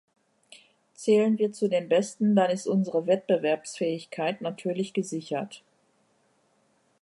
Zählen wir zu den Besten, dann ist unsere Wettbewerbsfähigkeit natürlich gesichert.